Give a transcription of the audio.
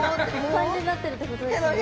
感じになってるってことですよね。